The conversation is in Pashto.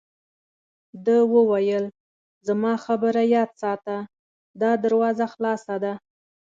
ده وویل: زما خبره یاد ساته، دا دروازه خلاصه ده.